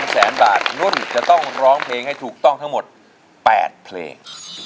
แสนบาทนุ่นจะต้องร้องเพลงให้ถูกต้องทั้งหมด๘เพลง